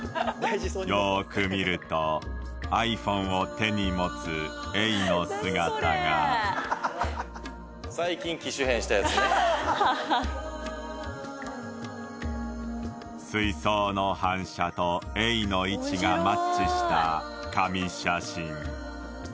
よーく見るとｉＰｈｏｎｅを手に持つエイの姿が水槽の反射とエイの位置がマッチした神写真